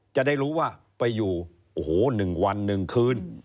จะได้รู้ว่าไปอยู่โอ้โห๑วัน๑คืน